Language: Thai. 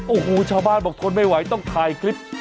โอ้โหชาวบ้านบอกทนไม่ไหวต้องถ่ายคลิป